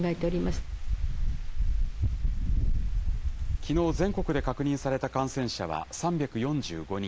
きのう全国で確認された感染者は３４５人。